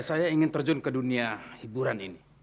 saya ingin terjun ke dunia hiburan ini